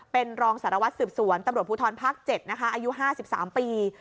เป็นรองสารวัตรสืบสวนตำรวจภูทรภาค๗นะคะอายุ๕๓ปี